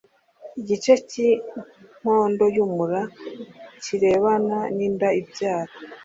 igice cy'inkondo y'umura kirebana n'inda ibyara.